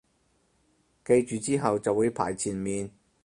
記住之後就會排前面